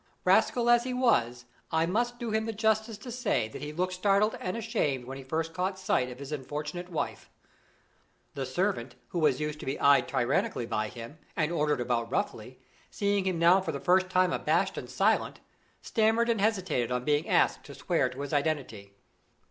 Rascal as he was, I must do him the justice to say that he looked startled and ashamed when he first caught sight of his unfortunate wife. The servant, who was used to be eyed tyrannically by him, and ordered about roughly, seeing him now for the first time abashed and silent, stammered and hesitated on being asked to swear to his identity.